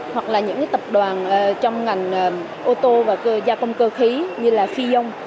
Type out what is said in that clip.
hoặc là những tập đoàn trong ngành ô tô và gia công cơ khí như là phi dung